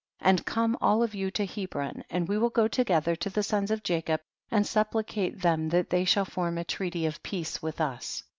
26. And come all of you to He bron, and we will go together to the sons of Jacob, and supplicate them that they shall form a treaty of peace with us.